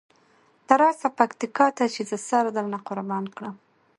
ته راسه پکتیکا ته چې زه سره درنه قربانه کړم.